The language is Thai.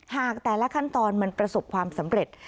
หากแต่ละขั้นตอนมันประสบความสำเร็จ